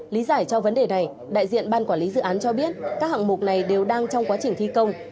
lý giải cho vấn đề này đại diện ban quản lý dự án cho biết các hạng mục này đều đang trong quá trình thi công